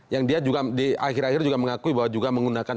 yang dia juga di akhir akhir juga mengakui bahwa juga menggunakan